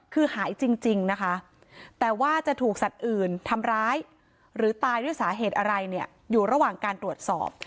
คือหายจริงนะคะแต่ว่าจะถูกสัตว์อื่นทำร้ายหรือตายด้วยสาเหตุอะไรเนี่ยอยู่ระหว่างการตรวจสอบ